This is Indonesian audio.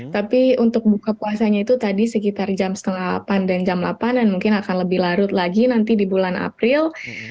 tapi untuk buka puasanya itu tadi sekitar jam setengah delapan dan jam delapan dan mungkin akan lebih larut lagi nanti di bulan april